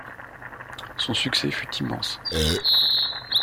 Son succès fut immense.